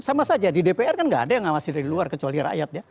sama saja di dpr kan nggak ada yang ngawasi dari luar kecuali rakyat ya